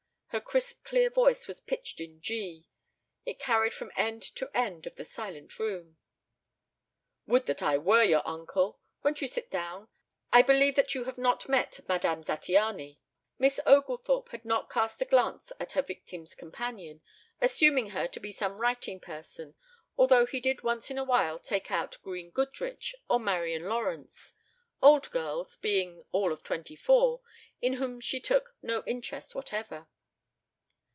Her crisp clear voice was pitched in G. It carried from end to end of the silent room. "Would that I were your uncle! Won't you sit down? I believe that you have not met Madame Zattiany." Miss Oglethorpe had not cast a glance at her victim's companion, assuming her to be some writing person; although he did once in a while take out Anne Goodrich or Marian Lawrence: old girls being all of twenty four in whom she took no interest whatever.